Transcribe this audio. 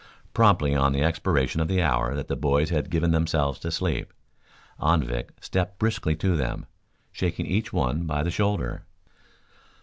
Promptly on the expiration of the hour that the boys had given themselves to sleep, Anvik stepped briskly to them, shaking each one by the shoulder.